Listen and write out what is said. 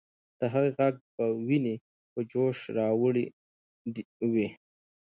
د هغې ږغ به ويني په جوش راوړي وي.